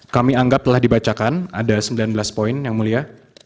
kami anggap telah dibacakan ada sembilan belas poin yang mulia